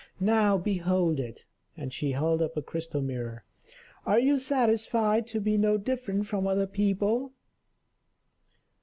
Now behold it!" and she held up a crystal mirror. "Are you satisfied to be no different from other people?"